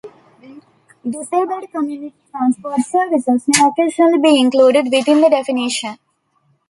Disabled community transport services may occasionally be included within the definition.